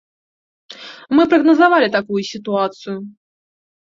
Мы прагназавалі такую сітуацыю.